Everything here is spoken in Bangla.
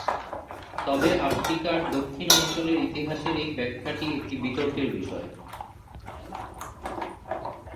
তবে আফ্রিকার দক্ষিণ অঞ্চলের ইতিহাসের এই ব্যাখ্যাটি একটি বিতর্কের বিষয়।